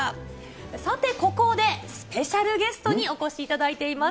さて、ここでスペシャルゲストにお越しいただいています。